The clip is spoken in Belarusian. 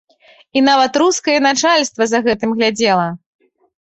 І нават рускае начальства за гэтым глядзела.